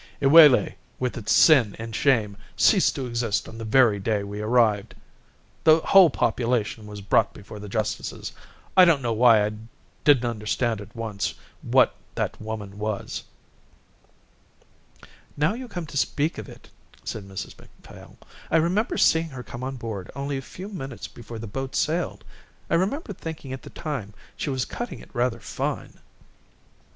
"Iwelei, with its sin and shame, ceased to exist on the very day we arrived. The whole population was brought before the justices. I don't know why I didn't understand at once what that woman was." "Now you come to speak of it," said Mrs Macphail, "I remember seeing her come on board only a few minutes before the boat sailed. I remember thinking at the time she was cutting it rather fine."